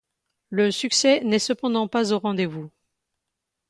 Le succès n’est cependant pas au rendez-vous.